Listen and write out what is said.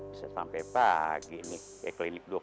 udah sampe pagi nih kayak keliling dua puluh empat jam